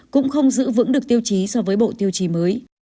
cũng không giữ vững được tiêu chí so với bộ tiêu chí mới